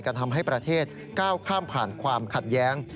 ทำให้ประเทศก้าวข้ามผ่านความขัดแย้ง